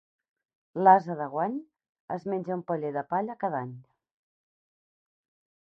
L'ase de guany es menja un paller de palla cada any.